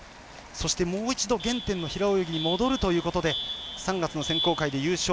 そして、もう一度原点の平泳ぎに戻るということで３月の選考会では優勝。